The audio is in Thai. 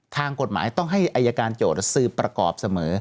ทางกฎหมายต้องให้อายการโจทย์สืบประกอบเสมอ